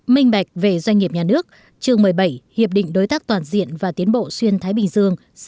minh bạch về doanh nghiệp nhà nước chương một mươi bảy hiệp định đối tác toàn diện và tiến bộ xuyên thái bình dương